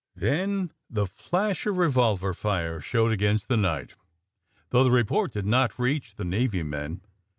Then the flash of revolver fire showed against the night, though the report did not reach the Navy men.